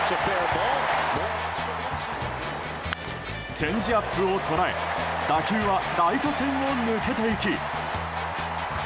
チェンジアップを捉え打球はライト線を抜けていき。